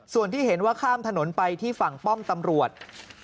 ส่วนที่เห็นว่าข้ามถนนไปที่ฝั่งป้อมตำรวจ